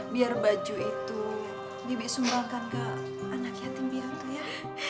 biar baju itu bibi sumbangkan ke anak yatim biangka ya